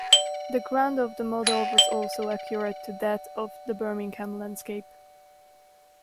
The ground of the model was also accurate to that of the Birmingham landscape.